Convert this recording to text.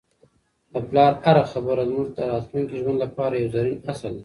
د پلار هره خبره زموږ د راتلونکي ژوند لپاره یو زرین اصل دی.